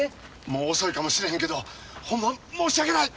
もう遅いかもしれへんけどほんま申し訳ない！